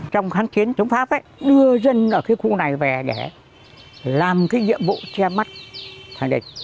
trong kháng chiến chống pháp đưa dân ở cái khu này về để làm cái nhiệm vụ che mắt thời địch